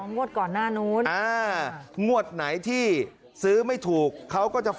งวดก่อนหน้านู้นงวดไหนที่ซื้อไม่ถูก